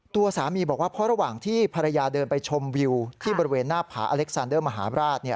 ตัวสามีบอกว่าเพราะระหว่างที่ภรรยาเดินไปชมวิวที่บริเวณหน้าผาอเล็กซานเดอร์มหาราช